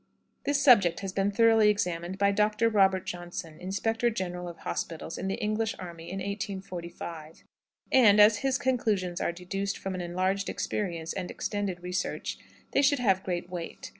This subject has been thoroughly examined by Dr. Robert Johnson, Inspector General of Hospitals in the English army in 1845; and, as his conclusions are deduced from enlarged experience and extended research, they should have great weight.